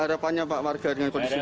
banyaknya pak warga dengan kondisi penuh